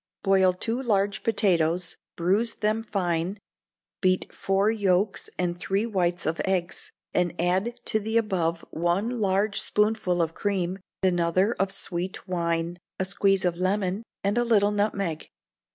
Boil two large potatoes, bruise them fine, beat four yolks and three whites of eggs, and add to the above one large spoonful of cream, another of sweet wine, a squeeze of lemon, and a little nutmeg.